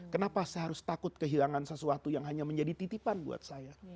kenapa saya harus takut kehilangan sesuatu yang hanya menjadi titipan buat saya